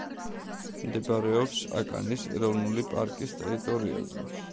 მდებარეობს აკანის ეროვნული პარკის ტერიტორიაზე.